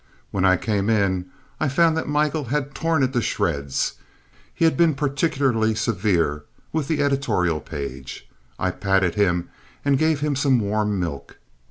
When I came in I found that Michael had torn it to shreds. He had been particularly severe with the editorial page. I patted him and gave him some warm milk.